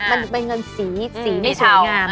มันเป็นเงินสีสีไม่สวยงาม